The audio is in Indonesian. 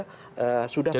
perkara ini sudah sudah